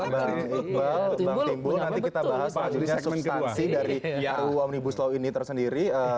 bang timbul nanti kita bahas sebenarnya substansi dari ru omnibus law ini tersendiri